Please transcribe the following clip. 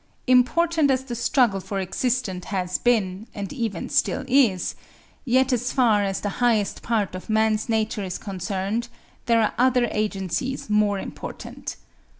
Important as the struggle for existence has been and even still is, yet as far as the highest part of man's nature is concerned there are other agencies more important.